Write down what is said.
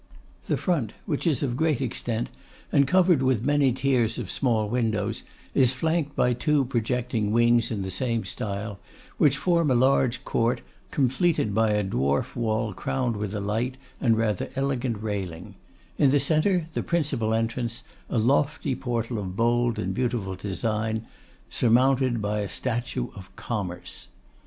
The front, which is of great extent, and covered with many tiers of small windows, is flanked by two projecting wings in the same style, which form a large court, completed by a dwarf wall crowned with a light, and rather elegant railing; in the centre, the principal entrance, a lofty portal of bold and beautiful design, surmounted by a statue of Commerce.